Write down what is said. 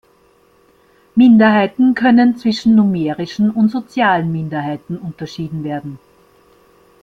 Minderheiten können zwischen numerischen und sozialen Minderheiten unterschieden werden.